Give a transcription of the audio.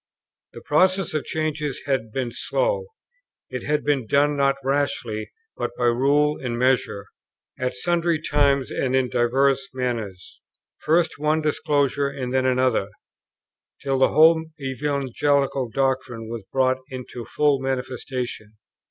The process of change had been slow; it had been done not rashly, but by rule and measure, "at sundry times and in divers manners," first one disclosure and then another, till the whole evangelical doctrine was brought into full manifestation.